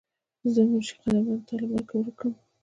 زۀ منشي قدرمند تا لۀ ملکه ورک کړم